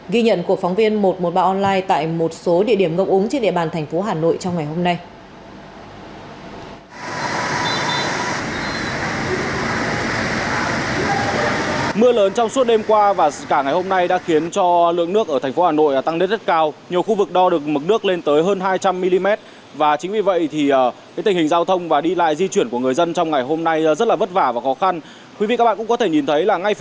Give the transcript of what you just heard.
ghi nhận của phóng viên một trăm một mươi ba online tại một số địa điểm ngập ống trên địa bàn thành phố hà nội trong ngày hôm nay